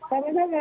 terima kasih mbak